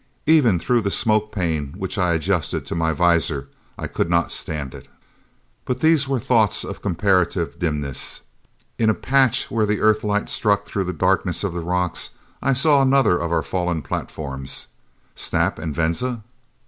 Even through the smoked pane which I adjusted to my visor I could not stand it. But these were thoughts of comparative dimness. In a patch where the Earthlight struck through the darkness of the rocks, I saw another of our fallen platforms! Snap and Venza?